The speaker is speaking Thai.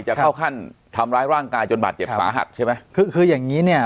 จะเข้าขั้นทำร้ายร่างกายจนบาดเจ็บสาหัสใช่ไหมคือคืออย่างงี้เนี้ย